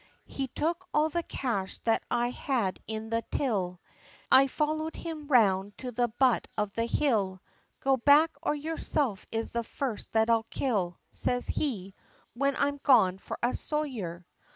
He took all the cash that I had in the till, I followed him round to the butt of the hill, "Go back, or yerself is the first that I'll kill!" Says he, "Whin I'm gone for a sojer!"